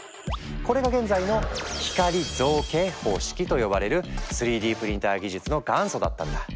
これが現在の「光造形方式」と呼ばれる３Ｄプリンター技術の元祖だったんだ。